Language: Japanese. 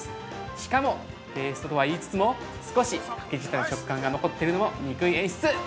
しかも、ペーストとは言いつつも少し牡蠣自体の食感が残っているのも、憎い演出！